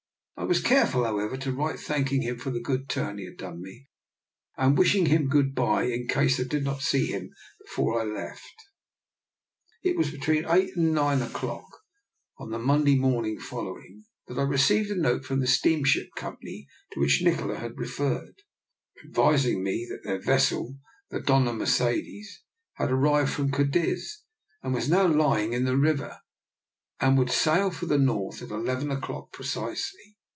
I was care ful, however, to write thanking him for the good turn he had done me, and wishing him good bye in case I did not see him before I left. It was between eight and nine o'clock on the Monday morning following that I re ceived a note from the Steamship Company to which Nikola had referred, advising me that their vessel, the Dofia Mercedes, had ar rived from Cadiz and was now lying in the river, and would sail for the North at eleven o'clock precisely.